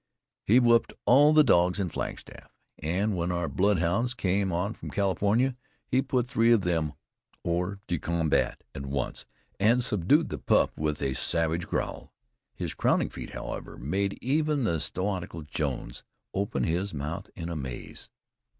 He whipped all of the dogs in Flagstaff; and when our blood hounds came on from California, he put three of them hors de combat at once, and subdued the pup with a savage growl. His crowning feat, however, made even the stoical Jones open his mouth in amaze.